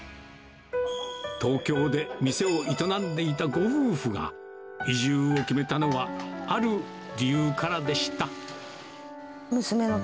東京で店を営んでいたご夫婦が移住を決めたのはある理由からでした。